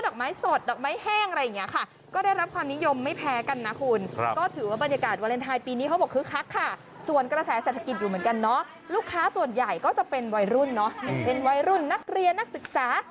ก็จะเป็นวัยรุ่นเนอะอย่างเช่นวัยรุ่นนักเรียนนักศึกษา